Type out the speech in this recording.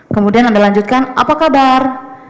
kemudian anda lanjutkan apa kabar